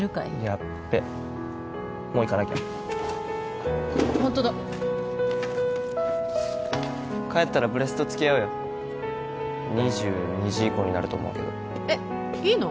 やっべもう行かなきゃホントだ帰ったらブレストつきあうよ２２時以降になると思うけどえっいいの？